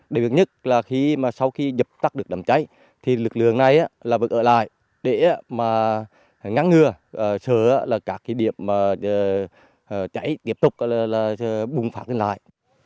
đặc biệt nhất là sau khi nhập tắt được đám cháy lực lượng này vẫn ở lại để ngăn ngừa sửa các điểm cháy tiếp tục bùng phát lên lại